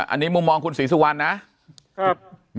อันนี้มุมมองคุณศรีสุวรรณนะครับ